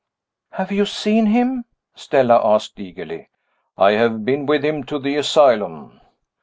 "Have you seen him?" Stella asked, eagerly. "I have been with him to the asylum."